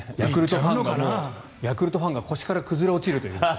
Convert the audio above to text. ヤクルトファンが腰から崩れ落ちるという。